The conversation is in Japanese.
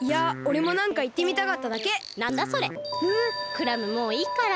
クラムもういいから。